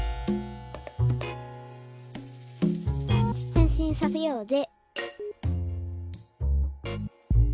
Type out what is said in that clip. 「へんしんさせようぜ」